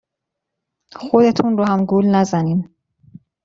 خودتون رو هم گول نزنین.